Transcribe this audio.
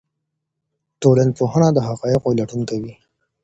ټولنپوهنه د حقایقو لټون کوي.